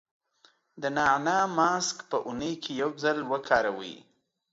د نعناع ماسک په اونۍ کې یو ځل وکاروئ.